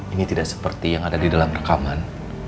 ini tidak seperti yang ada di dalam rekaman